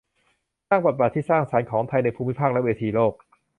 สร้างบทบาทที่สร้างสรรค์ของไทยในภูมิภาคและเวทีโลก